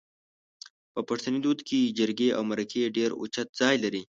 په پښتني دود کې جرګې او مرکې ډېر اوچت ځای لري